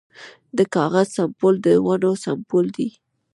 د کاغذ سپمول د ونو سپمول دي